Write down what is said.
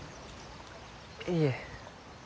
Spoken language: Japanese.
いえ。